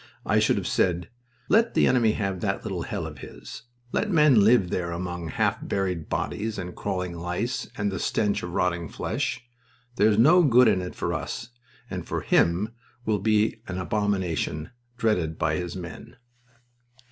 I should have said: "Let the enemy have that little hell of his. Let men live there among half buried bodies and crawling lice, and the stench of rotting flesh. There is no good in it for us, and for him will be an abomination, dreaded by his men."